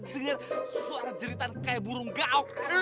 dengar suara jeritan kayak burung gaok